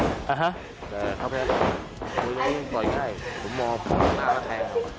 แต่เขาแพ้มันจ่อยใช่ไหมมันมอบถ้าเทป